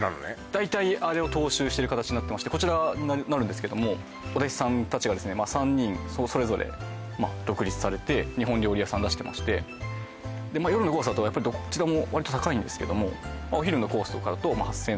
大体あれを踏襲してる形になってましてこちらになるんですけどもお弟子さんたちが３人それぞれまあ独立されて日本料理屋さん出してまして夜のコースだとやっぱりどちらも割と高いんですけどもお昼のコースとかだと８０００円